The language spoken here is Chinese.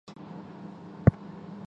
滇假夜来香